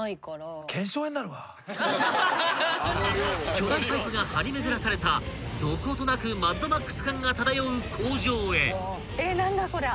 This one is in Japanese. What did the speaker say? ［巨大パイプが張り巡らされたどことなく『マッドマックス』感が漂う工場へ］